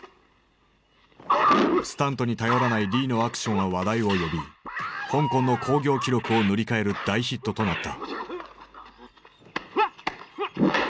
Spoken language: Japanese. スタントに頼らないリーのアクションは話題を呼び香港の興行記録を塗り替える大ヒットとなった。